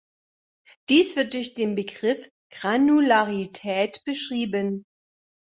Dies wird durch den Begriff Granularität beschrieben.